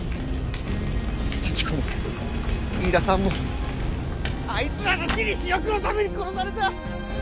幸子も飯田さんもあいつらの私利私欲のために殺された！